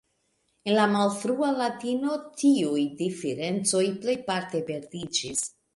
En la malfrua latino tiuj diferencoj plejparte perdiĝis.